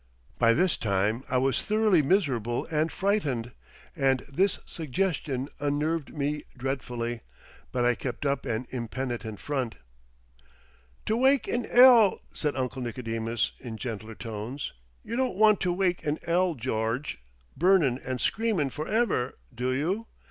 By this time I was thoroughly miserable and frightened, and this suggestion unnerved me dreadfully but I kept up an impenitent front. "To wake in 'ell," said Uncle Nicodemus, in gentle tones. "You don't want to wake in 'ell, George, burnin' and screamin' for ever, do you?